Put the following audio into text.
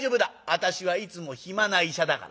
私はいつも暇な医者だからな。